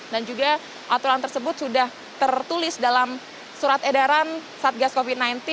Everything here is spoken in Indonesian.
dan juga aturan tersebut sudah tertulis dalam surat edaran satgas covid sembilan belas